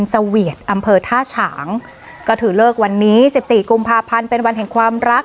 เสวียดอำเภอท่าฉางก็ถือเลิกวันนี้สิบสี่กุมภาพันธ์เป็นวันแห่งความรัก